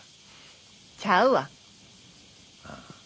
ちゃうわ。